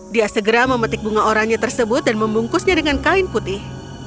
dia segera memetik bunga oranye tersebut dan membungkusnya dengan kain putih